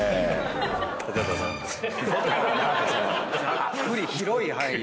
ざっくり広い範囲で。